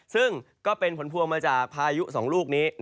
ซึ่งก็เป็นผลพวงมาจากพายุ๒ลูกนี้